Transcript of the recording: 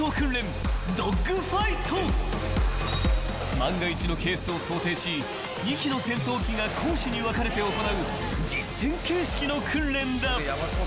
［万が一のケースを想定し２機の戦闘機が攻守に分かれて行う実戦形式の訓練だ］